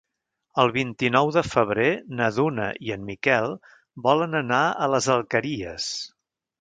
El vint-i-nou de febrer na Duna i en Miquel volen anar a les Alqueries.